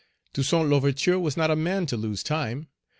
Toussaint L'Ouverture was not a man to lose time.